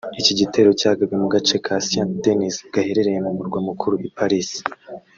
Iki gitero cyagabwe mu gace ka Saint-Denis gaherereye mu murwa mukuru i Paris